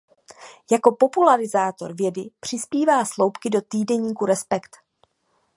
Jako popularizátor vědy přispívá sloupky do týdeníku "Respekt".